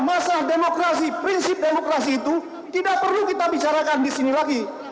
masalah demokrasi prinsip demokrasi itu tidak perlu kita bicarakan disini lagi